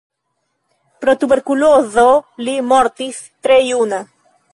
Pro tuberkulozo li mortis tre juna.